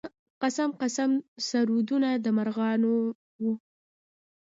قسم قسم سرودونه د مرغانو و.